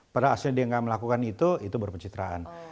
padahal aslinya dia gak melakukan itu itu berpencitraan